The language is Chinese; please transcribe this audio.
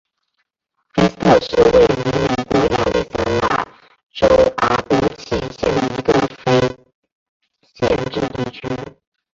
菲斯特是位于美国亚利桑那州阿帕契县的一个非建制地区。